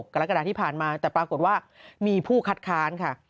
กรกฎาที่ผ่านมาแต่ปรากฏว่ามีผู้คัดค้านค่ะ